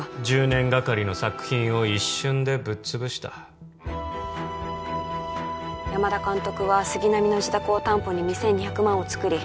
１０年がかりの作品を一瞬でぶっ潰した山田監督は杉並の自宅を担保に２２００万をつくり